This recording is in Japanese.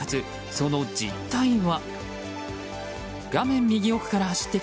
その実態は。